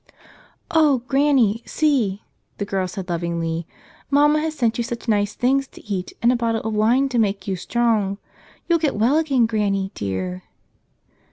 "Oh, Granny, see," the girl said lovingly, "mamma has sent you such nice things to eat and a bottle of wine to make you strong. You'll get well again, Granny dear."